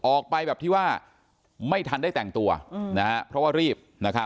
ออกไปแบบที่ว่าไม่ทันได้แต่งตัวเพราะว่ารีบ